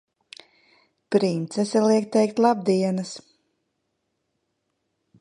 Princese liek teikt labdienas!